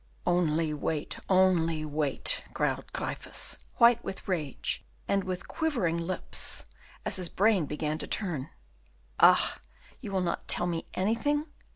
"Only wait, only wait," growled Gryphus, white with rage, and with quivering lips, as his brain began to turn. "Ah, you will not tell me anything?